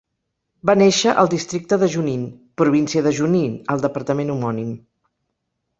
Va néixer al districte de Junín, província de Junín, al departament homònim.